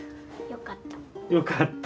よかった。